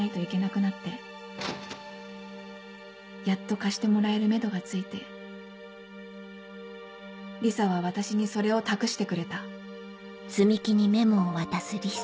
やっと貸してもらえるめどが付いてリサは私にそれを託してくれた。